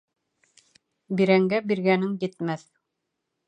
Бирәнгә биргәнең етмәҫ.